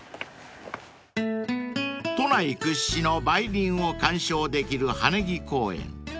［都内屈指の梅林を観賞できる羽根木公園］